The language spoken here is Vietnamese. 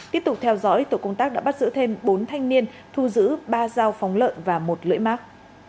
tiếp tục theo dõi tổ công tác đã bắt giữ thêm bốn thanh niên thu giữ ba dao phóng lợn và một lưỡi mark